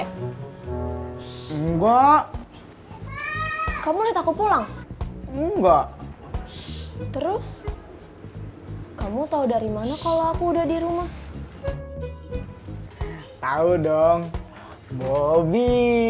enggak kamu lihat aku pulang enggak terus kamu tahu dari mana kalau aku udah di rumah tahu dong bobby